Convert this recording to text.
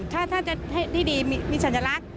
ถ้าจะให้ดีมีสัญลักษณ์